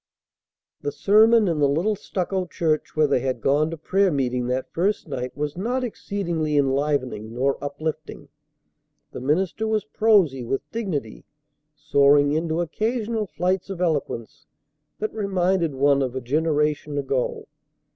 The sermon in the little stucco church where they had gone to prayer meeting that first night was not exceedingly enlivening nor uplifting. The minister was prosy with dignity, soaring into occasional flights of eloquence that reminded one of a generation ago.